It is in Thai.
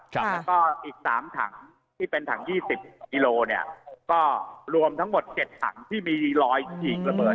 ใช่แล้วก็อีกสามถังที่เป็นถังยี่สิบกิโลเนี้ยก็รวมทั้งหมดเจ็ดถังที่มีรอยฉีกระเบิด